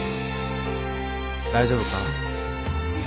「大丈夫か？」